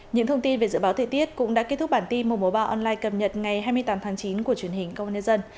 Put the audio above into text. những thông tin về dự báo thời tiết cũng đã kết thúc bản tin mùa báo online cập nhật ngày hai mươi tám tháng chín của truyền hình công an nhân dân